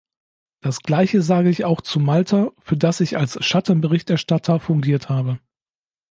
Das Gleiche sage ich auch zu Malta, für das ich als Schattenberichterstatter fungiert habe.